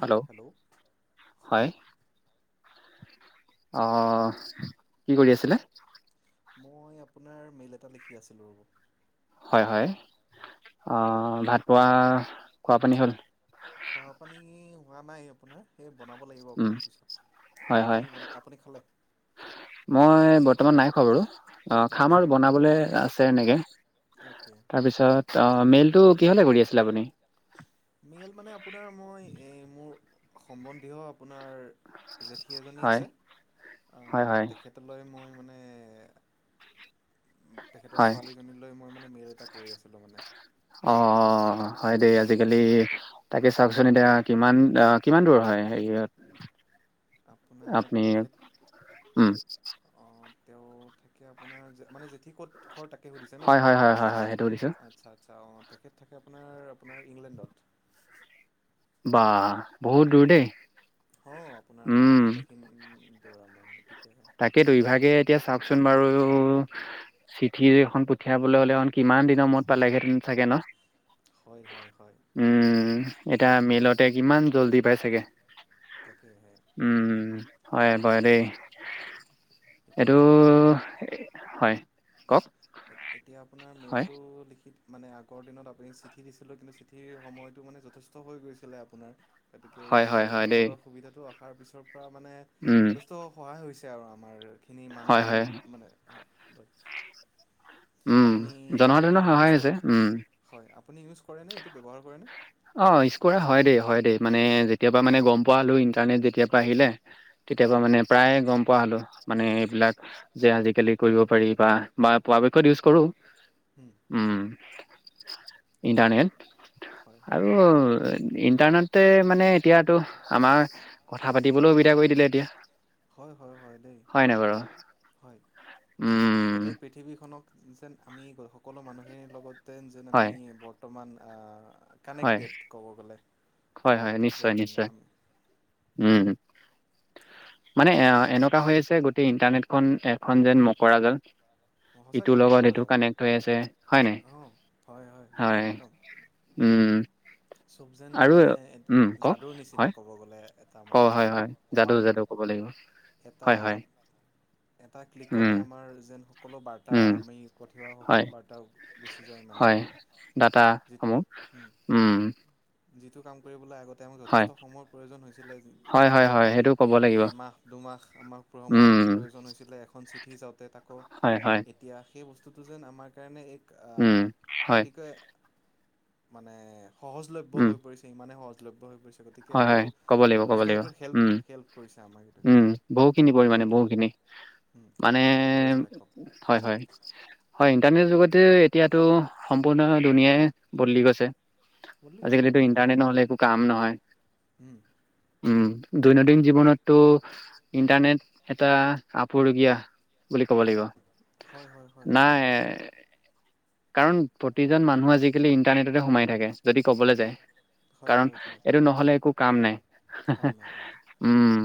Hello, হয়। অহ, কি কৰি আছিলে? মই আপোনাৰ মেইল এটা লিখি আছিলো ৰ'ব। হয়, হয়, অহ, ভাত পোৱা খোৱা পানী হ'ল? খোৱা পানী হোৱা নাই আপোনাৰ সেই বনাব লাগিব উম, অকণমান পিছত, হয় আপুনি, হয় আপুনি খালে? মই বৰ্তমান নাই খোৱা বাৰু। অ' খাম আচ্ছা আৰু বনাবলে আছে এনেকে। অ'কে তাৰপিছত আহ মেইলটো কিহলে কৰি আছিলে আপুনি? মেইল মানে আপোনাৰ মই এই মোৰ সম্বন্ধীয় আপোনাৰ, জেঠী এজনী হয় আছে, হয় হয় তেখেতলৈ মই‌ তেখেতৰ হয় ছোৱালীজনীলৈ মই মানে মেল এটা কৰি আছিলো মানে। অঁ হয় দেই আজিকালি, তাকে চাওকচোন এতিয়া কিমান কিমান দূৰ হয় হেৰিয়ত? আপোনাৰ, আপুনি উম, তেখেত তেওঁ থাকে আপোনাৰ মানে জেঠী ক'ত ঘৰ তাকে সুধিছে ন, হয় হয় হয় হয় হয় সেইটো সুধিছোঁ আচ্ছা আচ্ছা অ'। তেখেত থাকে আপোনাৰ, আপোনাৰ ইংলেণ্ডত। বা বহুত দূৰ দেই আপোনাৰ ভালে দৌৰা মাৰিব ঠিক কে তাকেইেতো ইভাগে এতিয়া চাওকচোন বাৰু চিঠি এখন পঠিয়াবলৈ হ'লে, এ কিমান দিনৰ মূৰত পালেগেহেঁতেন চাগে ন! হয় হয় হয় উম! এটা মেলতে কিমান! জলদি পাই চাগে, তাকেহে উম! হয় বৰেদি উহ! এতিয়া এইটো আপোনাৰ মে হয় কওক এতিয়া আপোনাৰ হয়, মেইলটো মানে আগৰ দিনত আপুনি চিঠি দিছিলো কিন্তু চিঠিৰ সময়তটো মানে যথেষ্ট হৈ গৈছিলে আপোনাৰ। গতিকে হয়, এইটো হয়, মেল হয় দেই। দুখনৰ সুবিধাটো আ তাৰপিছত, মানে উম, যথেষ্ট সহায় হৈছে। তে আৰু আমাৰ খিনি হয়, মানুহখিনি হয়, মানে উম, আপুনি জনসাধাৰণৰ ইউজ সহায় ক হৈছে উম। হয় আপুনি ইউজ কৰেনে এইটো ব্যৱহাৰ কৰেনে? অ ইউজ কৰা হয় দেই হয় দেই মানে যেতিয়া পা মানে গম পোৱা হলো ইণ্টাৰনেট যেতিযা পৰা আহিলে তেতিয়াৰ হয় পা মানে প্ৰায় গম পোৱা হ'লো মানে এইবিলাক যে আজিকালি কৰিব পাৰি বা বা পৰাপক্ষত ইউজ কৰো। হম! ইণ্টাৰনেট হয় হয় আৰু ইণ্টাৰনেটে মানে এতিয়াতটো আমাৰ কথা পাতিবলৈ সুবিধা কৰি দিলে এতিয়া হয় হয় হয় দেই নাই বাৰু হয় উম গোটেই পৃথিৱীখনক যেন আমি সকলো মানুহে লগত তেন যেন হয় আমি বৰ্তমান হয় কানেক্টেড ক'ব গ'লে। হয় হয় নিশ্চয় যেন নিশ্চয়। আমি উম মানে এ এনেকুৱা হৈ আছে গোটেই ইণ্টাৰনেটখন এখন যেন মকৰা জাল ইটোৰ সঁচাকৈ লগত মকৰা ইটো জাল কানেক্ট হৈ আছে হয় ন অঁ হয় হয় একদম উম। চব যেন মানে উম কওক যাদুৰ নিচিনা হয় ক'ব গ'লে এটা ক মানে হয় হয় যাদু ওৱান যাদু ক'ব লাগিব এটা হয় হয় এটা উম ক্লিকতে আমাৰ যেন সকলো বাৰ্তা উম আমি পঠিওৱা হয় সকলো বাৰ্তা গুচি যায় মানে। হয় ডাটাসমূহ উম যিটো কাম কৰিবলৈ আগত হয় যথেষ্ট সময়ৰ প্ৰয়োজন হৈছিলে হয় ধৰি হয় লওক হয় সেইটো ক'ব লাগিব এমাহ দুমাহ আমাক সময় উম প্ৰয়োজন হৈছিলে এখন চি নিজক তাক হয়, হয়। এতিয়া সেই বস্ত সেইটো যেন আমাৰ কাৰণে এক অ উম, হয়, অতিকৈ মানে সহজ ব্য উম, হৈ পৰিছে ইমানে সহজ লভ্য হৈ পৰিছে গতিকে হয়, এইটো হয় ক'ব লাগিব, ক'ব যথেষ্ট লাগিব, ক্ষেত্ৰত হেল্প উম, হেল্প কৰিছে আমাক এইটো উম, ক্ষেত্ৰত বহুখিনি আপুনি পৰিমাণে বহুখিনি মানে আপুনি কিবা কৈ আছিলে কওক হয়, হয়, হয়। ইণ্টাৰনেট যুগতে এতিয়াতো সম্পূৰ্ণ দুুনীয়াই বদলি গৈছে। বদলি গৈছে আজিকালিটো ইন্টাৰনেট নহ'লে একো কাম নহয়। উম। উম, দৈনন্দিন জীৱনতটো ইন্টাৰনেট এটা আপুৰুগীয়া। বুলি ক'ব লাগিব, হয় হয় হয় নাই কাৰণ প্ৰতিজন মানুহ আজিকালি ইন্টাৰনেটতে সোমাই থাকে। যদি ক'বলৈ যায়। ৰুমাই হয় কাৰণ হয় হয় এইটো নহ'লে একো কাম নাই। কাম নাই কাম নাই উম।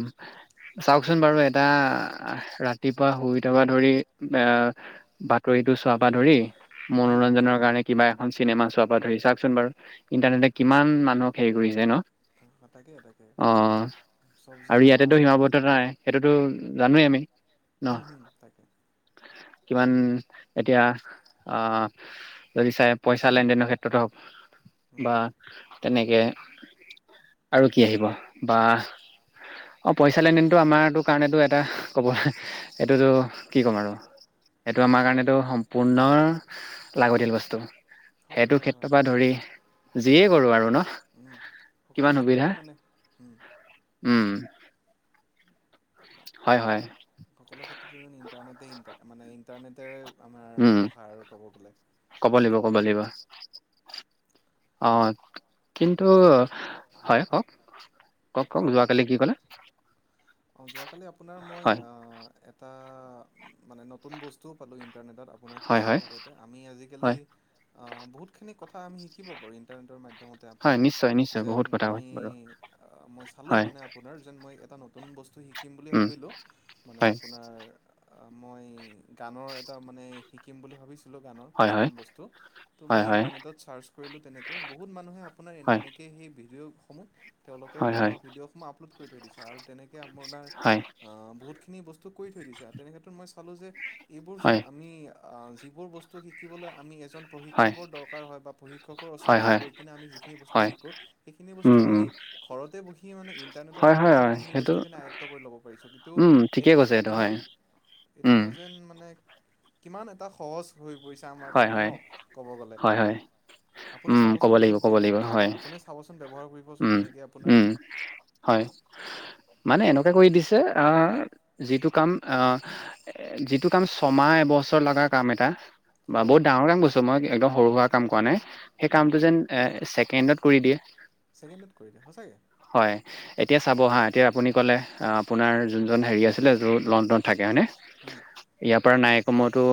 চাওঁকচোন বাৰু এটা ৰাতিপুৱা শুই উঠাপা ধৰি আহ বাতৰিটো চোৱাপা ধৰি মনোৰঞ্জনৰ কাৰণে কিবা এখন চিনেমা চোৱাৰ পৰা ধৰি চাওঁকচোন বাৰু ইণ্টাৰনেটে কিমান মানুহক হেৰি কৰিছে ন। তাকে তাকে অ' চব যেন আৰু আমাৰ ইয়াতেতো সীমাবদ্ধ নাই সেইটোতো জানোৱেই আমি ন হ'ম হ'ম তাকে। কিমান এতিয়া অ' যদি চাই পইচা লেনদেনৰ ক্ষেত্ৰতে হওক। উম বা তেনেকৈ আৰু কি আহিব, বা অ' পইচা লেনদেনটো আমাৰ টো কাৰণেতো এটা ক'ব এইটোতো কি ক'ম আৰু। সেইটো আমাৰ হয় কাৰণেতটো হয় সম্পূৰ্ণ লাগতিয়াল বস্তু। হয় সেইটো হয় হয় ক্ষেত্ৰপা হয় ধৰি যিয়েই কৰো আৰু ন উম সকলো কিমান ক্ষেত্ৰতে সুবিধা, মানে উম উম। হয় হয় সকলো ক্ষেত্ৰতো নি ইণ্টাৰনেটে ইণ্টাৰ মানে ইণ্টাৰনেটেৰে, আমাৰ উম ব্যৱহাৰ ক'ব গ'লে কব লাগিব কব লাগিব। অ' কিন্তু যোৱাকালি হয় কওক কওক কওক যোৱা কালি কি ক'লে অ' যোৱাকালি আপোনাৰ মই হয় এটা মানে নতুন বস্তুও পালোঁ ইণ্টাৰনেটত আপোনাৰ হয় খুচৰি হয় থাকোঁতে আমি আজিকালি হয় বহুতখিনি কথা আমি শিকিব পাৰোঁ ইণ্টাৰনেটৰ মাধ্যমতে হয় আপোনাৰ নিশ্চয় নিশ্চয় যেন বহুত কথা আমি কৈছো বাৰু মই চালোঁ হয় মানে আপোনাৰ যেন মই এটা নতুন বস্তু শিক শিকিম বুলি উম ভাবিলোঁ মানে হয় আপোনাৰ মই গানৰ এটা মানে শিকিম বুলি ভাবিছ ছিলো গানৰ। হয় হয় কিছুমান বস্তু হয় হয় ইন্টাৰনেটত চাৰ্জ কৰিলো তেনেকে বহুত মানুহে আপোনাৰ হয় তেনেকেই হেই ভিদিঅ' অসমত তেওঁলোকে হয় হয় বনোৱা ভিডিঅ' সমূহ আ পলোড কৰি থৈ দিছে। আৰু তেনে আপোনাৰ হয় অ', বহুত খিনি বস্ স্ত কৰি থৈ দিছে, তেনে ক্ষেত্ৰত মই পালো যে এইবোৰচোন হয় আমি অ', যিবোৰ বস্তু শিকিবলৈ আমি হয় প্ৰশিক্ষকৰ দৰকাৰ হয় বা প্ৰশিক্ষকৰ হয় ওচৰলৈ হয় গৈ কিনে আমি যিখিনি বস্তু হয় শিকো, সেইখিনি বস্তু উম উম আমি ঘৰতে বহি মানে ইন্টাৰনেটৰ হয় হয় মাধ্যমত হয় আমি সেই সেইটো বস্তুখিনি আয়ত্ব কৰি ল'ব পাৰিছো। কিন্তু উম এক ঠিকেই কৈছে এইটো কিমান হয় এইটো উম যেন মানে কিমান এটা সহজ হৈ পৰিছে আমাৰ হয় কাৰনে ন? হয় ক'ব গ'লে। হয় হয় আপুনি উম ক'ব চাবচোন এইটো লাগিব ক'ব লাগিব কেনেকে হয় আপুনি চাবচোন, ব্যৱহাৰ কৰিবোন উম এনেকে আপোনাৰ উম হয় মানে এনেকুৱে কৰি দিছে, অহ, যিটো কাম অহ, যিটো কাম ছমাহ এবছৰ লগা কাম এটা বা হয় বহুত ডাঙৰ কাম কৰিছোঁ মই, একদম সৰু'সুৰা উম, কাম কৰা নাই সেই উম, কামটো যেন এ ছেকেণ্ডত কৰি দিয়ে। ছেকেণ্ডত কৰি দিয়ে, সঁচাকে। হয় এতিয়া চাব হা, এতিয়া আপুনি ক'লে আপোনাৰ যোনজন হেৰি আছিলে, য'ত লণ্ডনত থাকে হয়নে? উম। ইয়াৰ পৰা নাই কমেওতো,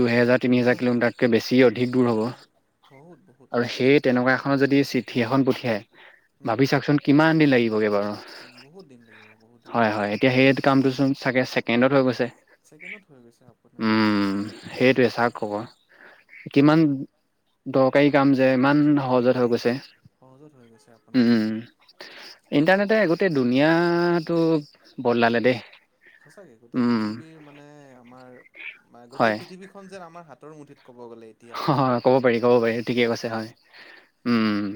দুহেজাৰ তিনিহাজাৰ কিলোমিটাৰতকে বেছি অধিক দূৰ হ'ব, ব- বহুত বহুত আৰু সেই সঁচাকে তেনেকুৱা এখনত যদি চিঠি এখন প কে উম, ভাবি চাওকচোন কিমান দিন লাগিবগে বাৰু, উম, বহুত দিন লাগিব বহুত দিন হয় লাগিব হয়, এতিয়া আপোনাৰ সেই কামটোচোন চাগে ছেকেণ্ডত হৈ গৈছে, ছেকেণ্ডত হৈ গৈছে আপোনাৰ উম, সেইটোৱে চাওক [inaudible] কিমান দ দৰকাৰী কাম যে ইমান সহজত হৈ গৈছে, সহজত হৈ গৈছে আপোনাৰ উম। ইণ্টাৰনেটে গোটেই দুনিয়াটো সচাকে, গোটেই পৃথিৱীৰ মানে আমাৰ গোটেই হয় পৃথিৱীখন যেন আমাৰ হাত তৰ মুঠিত। ক'ব গ'লে এতিয়া হয়। ক'ব পাৰি, ক'ব পাৰি। ঠিকেই কৈছে, হয়। উম।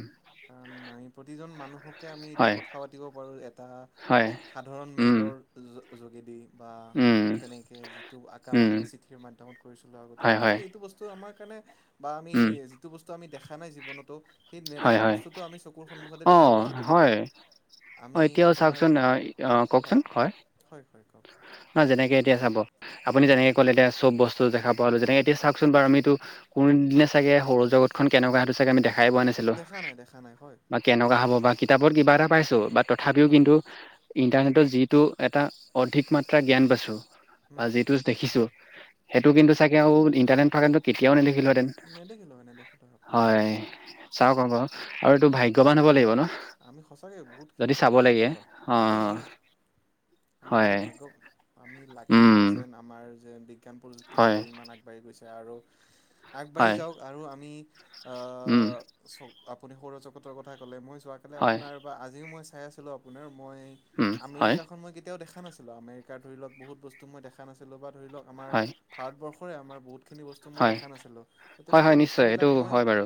কাৰণ আমি প্ৰতিজন মানুহকে আমি এতিয়া হয় কথা পাতিব পাৰো এটা হয় সাধাৰণ উম মেইলৰ জ যোগেদি। বা উম তেনেকে যিটো আ কাম উম আমি চিঠিৰ মাধ্যমত কৰিছিলো আগতে, হয় গতিকে হয় এইটো বস্তু আমাক ক বা আমি উম যিটো বস্তু আমি দেখা দেখা নাই জীৱনতো সেই নেট হয় হয় বস্তুটো আমি চকুৰ সন্মুখতেই দেখা অঁ পাইছোঁ গতি হয় অঁ আমি এতিয়াও আপোনাৰ চাওকচোন হয় হয় কওক ন যেনেকে এতিয়া চাব আপুনি যেনেকে ক'লে এতিয়া চব বস্তু দেখা পালো, যেনে এতিয়া চাওচোন বাৰু আমিতো কোনদিনে চাগে সৰু জগতখন কেনেকুৱা স আমি দেখাই পোৱা নাছিলো, দেখা নাই দেখা নাই হয় বা কেনেকুৱা হ'ব বা কিতাপৰ কিবা এটা পাইছো তথাপিও হয় কিন্তু ইণ্টাৰনেটৰ যিটো এটা অধিক মাত্ৰা জ্ঞান পাইছোঁ। বা উম যিটো দেখিছো সেইটো উম কিন্তু চাগে আৰু েণ্ট থে কেতিয়াওে নেদেখো। [unintelligible] ন নেদেখিলোঁ হয় নেদেখিলোঁ আপোনাৰ হয় চা আৰু এইটো ভাগ্যৱান হ'ব লাগিব ন, আমি সঁচাকৈ বহুতখিনি যদি চাব ক্ষেত্ৰত লাগে, ভাগ্যৱান হয় হয় অ'। আমি হয় বহুত ভাগ্য, আমি লাকি উম হয়, যেন আমাৰ [unintelligible] জ্ঞ হয় প্ৰযুক্তিদ্য ইমান আগবাঢ়ি গৈছে। আৰু আগবাঢ়ি হয় যাওক আৰু আমি উম আহ চ আপুনি সৌৰজগতৰ কথা ক'লে, মই যোৱ হয় আপোনাৰ বা আজিও মই খাই আছিলো আপোনাৰ মই উম হয় আমেৰিকাখন মই কেতিয়াও দেখা দেখাছিলো আমেৰিকাৰ ধৰি লও বহুত বস্তু মই দেখ নাছিলোঁ বা ধৰি লওক আমাৰ হয় ভাৰতবৰ্ষৰে আমাৰ সিনি বস্ত মই হয় দেখা নাছিলোঁ। হয় তেনেকুৱা হয় বস্তু নিশ্চয় এইটো বিলাক মই, হয় বাৰু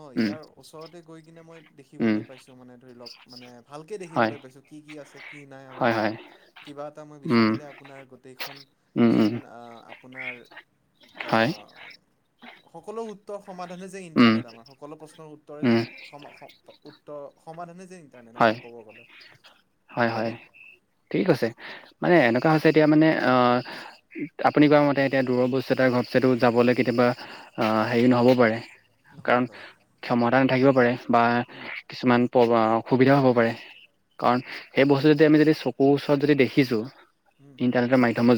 অ' উম ইয়াৰ ওচৰত তে গৈ কিনে মই উম দেখিবলৈ পাইছো মানে ধৰি লওক মানে ভালকৈ হয় দেখিবলৈ পাইছোঁ কি কি আছে, কি নাই আমাৰ হয় হয় কিবা এটা মই উম বিচাৰিলে আপোনাৰ গোটেইখন উম যেন উম আপোনাৰ হয় সকলো উুত্ত সমাধানে যে উম ইাৰনেটম সকলো প্ৰশ্ উতৰ যে উম উত সমাধানে যে, ইাৰনেট আম হয় কব গলে, হয় হয় হয়নে? ঠিক আছে মানে এনেকুৱা হৈছে এতিয়া মানে, আপুনি কোৱা মতে এতিয়া দূৰ বস্তু এটা ঘপচো যাবলৈ কেতিয়াবা হেৰি নহ'ব পাৰে। নহ'ব কাৰণ, পাৰে ক্ষমতা নাথাকিব পাৰে। বা, উম কিছুমান অসুবিধাও হ'ব পাৰে, কাৰণ সেই বস্তু যদি আমি যদি চকুৰ ওচৰত যদি দেখিছো। উম কি তনে মাই থ ম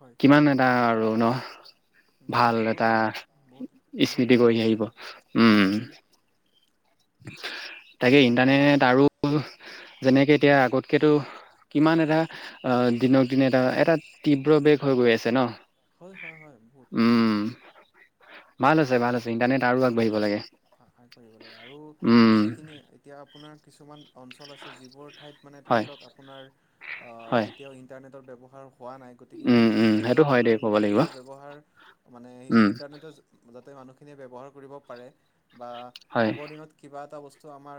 হয় কিমান এটা আৰু ন। বহুত ভাল বহুত এটা দা বহুত বহুত স্মৃতি কৰি আহ ডাঙৰ কথা আহিব, এইটো উম। হয় হয় তাকে ইণ্টাৰনেট আৰু, যেনেকে এতিয়া আগতকেতো কিমান এটা দিনক দিন এটা এটা তীব্ৰ বেগ হৈ গৈ আছে ন। হয়, হয়, হয়, বহুত উম ভাল আছে, ভাল আছে, ইণ্টাৰনেট আৰু ভাল আগবাঢ়িব লাগে। আশা কৰিব লাগে আৰু উম যিখিনি এতিয়া আপোনাৰ কিছুমান অঞ্চল আছে যিবোৰ ঠাইত মানে ধৰি হয় লওক আপোনাৰ অঁ হয় এতিয়াও ইণ্টাৰনেট ব্যৱহাৰ হোৱা নাই গতিকে উম সেইখিনি উম ঠাইতো সেইটো হয় আপোনাৰ দেই ক'ব লাগিব ইণ্টাৰনেটৰ ব্যৱহাৰ মানে উম ইণ্টাৰনেটৰ মানুহখিনিয়ে ব্যৱহাৰ কৰিব পাৰে। বা হয় আগৰ দিনত কিবা এটা বস্তু টো আমাৰ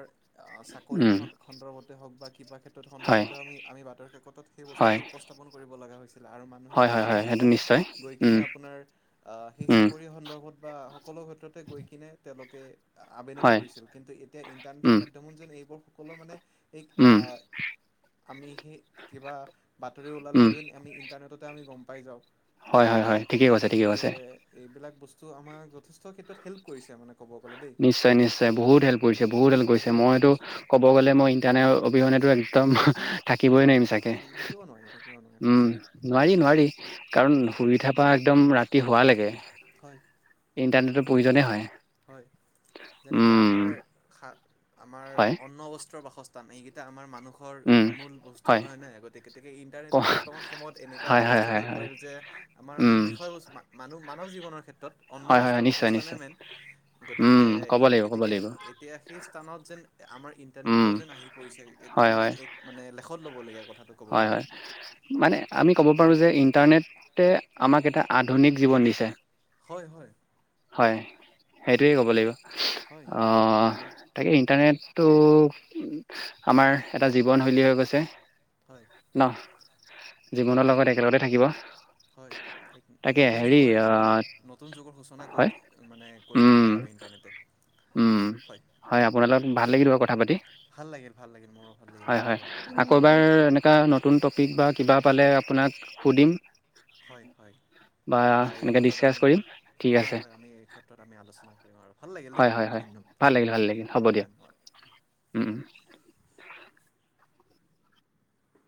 অঁ চাকৰি উম সন্দৰ্ভতে হওক বা কিবা ক্ষেত্ৰত হয় সন্দৰ্ভত এ হওঁক আমি-আমি বাতৰি কাকতত সেই হয় বস্তুটো উপস্থাপন কৰিব লগা হয়। আৰু মানুহে হয় হয় সেইটো হয় হিচাপত নিশ্চয় গৈ উম কিনে আপোনাৰ আ সেই উম চাকৰি সন্দৰ্ভত সকলো ক্ষেত্ৰতে গৈ কিনে তেওঁলোকে আবেদন হয় কৰিছিল, কিন্তু এতিয়া ইন্টাৰনেটৰ উম মাধ্যমত যেন এইবোৰ মানে এক আ উম আমি সেই কিবা বাতৰি উম ওলালেও যেন আমি ইন্টাৰনেটতে আমি গম পাই যাও। হয় হয়- হয়, ঠিকে কৈছে- ঠিকে কৈছে। টো আমাক যথেষ্ট ক্ষেত্ৰত হেল্প কৰিছে মানে। ক'ব গ'লে দেই নিশ্চয়-নিশ্চয় বহুত হেল্প কৰিছে- বহুত হেল্প কৰিছে, মইতো ক'ব গ'লে মই ইণ্টাৰনেট অবিহনে একদম থাক বই নোৱাৰিম চাগে, থাকিব নোৱাৰি থাকিব নোৱাৰি উম সঁচাকৈ নোৱাৰি- নোৱাৰি কাৰণ এইটো শুই উঠাৰ পৰা একদম ৰাতি সুৱা লেকে হয় ইণ্টাৰনেটৰ প্ৰয়োজনেই হয়। হয়, যেনেকে উম আমাৰ খা আমাৰ হয় অন্নবস্ত্ৰৰ বাসচ এইকেইটা আমাৰ মানুহ হৰ উম মূল বস্তু হয় হয়নে গতিকে ক ইন্টাৰনেটো বৰ্তমান সময়ত এনেকুৱা হয়, এটা হয়, বস্তু হয়, হৈ হয়। পৰিল যে আমাৰ মূল উম, বিষয়বস্তু মানুহ মা [unintelligible] জীৱনৰ ক্ষেত্ৰত অন্ন হয় হয়- বস্ত্ৰ হয় নিশ্চয়- বাসস্থানে নিশ্চয়। মেইন উম, গতিকে- ক'ব লাগিব, ক'ব গতিকে লাগিব। এতিয়া সেই স্থানত যেন আমাৰ ইন উম, ইণ্টাৰনেটটো যেন আহি পৰিছে এইটো হয়, হয়, মানে লেখত ল'ব বলগীয়া কথ হয়, হয় মানে আমি ক'ব পাৰোঁ যে ইণ্টাৰনেটে আমাক এটা আধুনিক জীৱন দিছে। হয়, হয়। হয়, সেইটোৱে ক'ব লাগিব। হয় আমাক অ', তাকেই ইণ্টাৰনেটটো ত' এক আমাৰ এটা জীৱনশৈলী হৈ গৈছ তে হয়, এইটো জীৱনৰ এক লগত একেলগতে থাকিব। হয় তাকে নতুন হেৰি যুগৰ অ' ন-নতুন যুগৰ সূচনা কৰি হয়, থ মানে কৰি দিলে উম, আৰু ইণ্টাৰনেটে, হয়। থা পাতি। ভাল লাগিল, ভাল লাগিল, মোৰো ভাল লাগিল হয়, হয়। আপোনাৰ লগত কথা আকৌ পাতি। এবাৰ এনেকুৱা নতুন টপিক বা কিবা পালে আপোনাক সুধিম হয়, হয়। বা এই এনেকে ক্ষেত্ৰত ডিচকাছ আমি, কৰিম ঠিক হয়, আছে হয়। আমি এই ক্ষেত্ৰত আমি আলোচনা কৰিম আৰু ভাল লাগিল দেই। হয় হয় হয় ধন্যবাদ ভাল লাগিল ভাল লাগিল হ'ব দিয়ক ধন-ধন্যবাদ। উম উম। [inaudible]